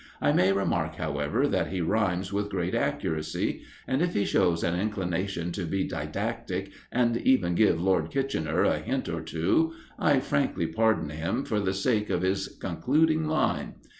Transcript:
"I may remark, however, that he rhymes with great accuracy, and if he shows an inclination to be didactic, and even give Lord Kitchener a hint or two, I frankly pardon him for the sake of his concluding line.